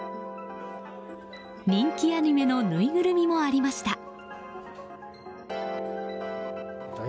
人気アニメのぬいぐるみもありました。